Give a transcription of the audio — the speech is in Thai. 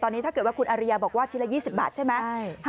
ตอนนี้ถ้าเกิดว่าคุณอาริยาบอกว่าชิ้นละ๒๐บาทใช่ไหม